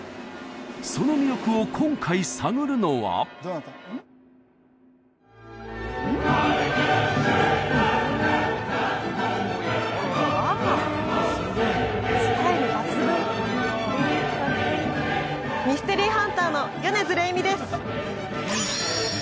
その魅力を今回探るのはミステリーハンターの米津れいみです